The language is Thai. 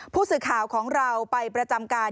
ผู้สื่อข่าวของเราไปประจำการ